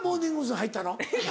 入ったの？